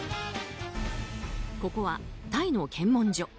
ここはタイの検問所。